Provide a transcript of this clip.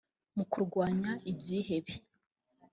mu kurwanya ibyihebe